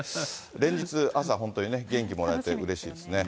連日、朝、本当に元気もらえてうれしいですね。